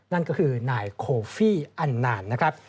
นั่นก็คือนายโคฟี่อันนานนะครับ